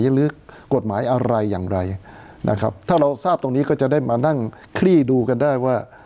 หรือกฎหมายอะไรอย่างไรนะครับถ้าเราทราบตรงนี้ก็จะได้มานั่งคลี่ดูกันได้ว่า